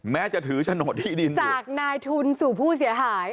แม้จะถือจากนายทุนสู่ผู้เสียหาย